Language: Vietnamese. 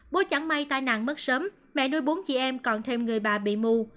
bố chẳng may tai nạn mất sớm mẹ đuối bốn chị em còn thêm người bà bị mù